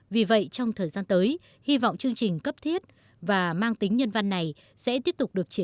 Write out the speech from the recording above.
vì vậy trong thời gian tới hy vọng chương trình cấp thiết và mang tính nhân văn này sẽ tiếp tục được triển